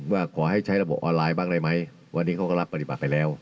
ว่าขอให้ใช้ระบบออนไลน์บ้างได้ไหมวันนี้เขาก็รักปฏิบัติไปแล้ว